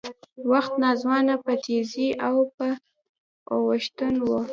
وخت ناځوانه په تېزۍ په اوښتون و